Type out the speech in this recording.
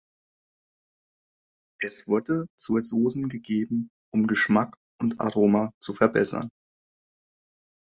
Es wurde zur Soßen gegeben, um Geschmack und Aroma zu verbessern.